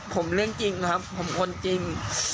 ผมเรื่องจริงครับผมคนจริง